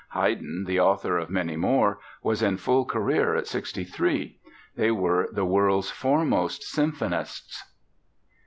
Haydn, the author of many more, was in full career at 63. They were the world's foremost symphonists.